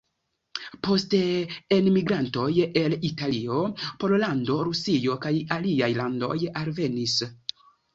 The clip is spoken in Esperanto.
Poste enmigrantoj el Italio, Pollando, Rusio kaj aliaj landoj alvenis.